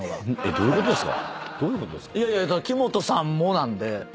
どういうことですか？